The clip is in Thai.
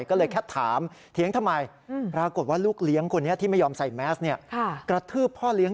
ก็เลยแค่ถามเถียงทำไม